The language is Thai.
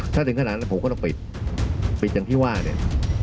ถ้าถึงขนาดนั้นผมก็ต้องปิดปิดจังหวัดเนี่ย